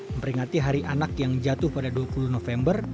memperingati hari anak yang jatuh pada dua puluh november